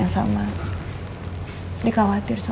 dia mau ketemu sama rena kebetulan dia juga di rumah sehat yang sama